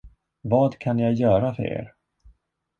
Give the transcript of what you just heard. Vad kan jag göra för er?